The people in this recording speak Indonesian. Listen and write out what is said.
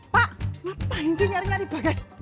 pak ngapain sih nyari nyari bekas